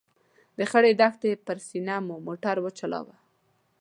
د خړې دښتې پر سینه مو موټر چلاوه.